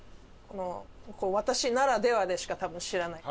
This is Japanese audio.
私ならではでしか多分知らない。